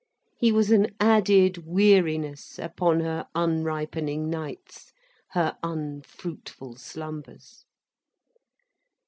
He was an added weariness upon her unripening nights, her unfruitful slumbers.